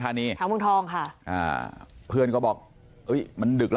แถวเมืองทองค่ะอ่าเพื่อนก็บอกเอ้ยมันดึกแล้ว